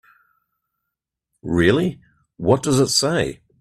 Really, what does it say?